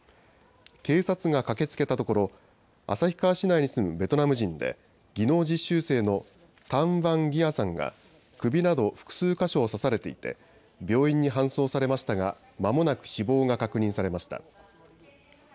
警察が駆けつけたところ旭川市内に住むベトナム人で技能実習生のタン・ヴァン・ギアさんが首など複数箇所を刺されていて病院に搬送されましたがまもなく死亡が確認されました。